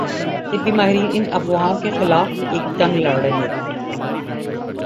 طبی ماہرین ان افواہوں کے خلاف ایک جنگ لڑ رہے